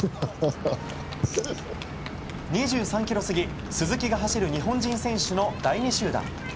２３ｋｍ過ぎ鈴木が走る日本人選手の第２集団。